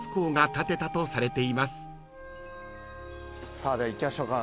さあでは行きましょうか。